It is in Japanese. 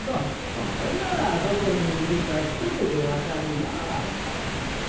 これならどこにいるかひとめでわかるなあ。